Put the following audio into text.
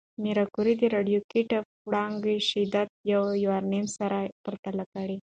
ماري کوري د راډیواکټیف وړانګو شدت د یورانیم سره پرتله کړ.